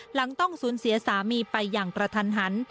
หลังต้องสูญเสียสามีไปอย่างกระทันหัน